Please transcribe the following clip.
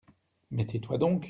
Mais tais-toi donc !